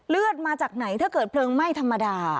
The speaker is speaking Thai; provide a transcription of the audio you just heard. มาจากไหนถ้าเกิดเพลิงไหม้ธรรมดา